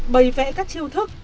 bày vẽ các chiêu thức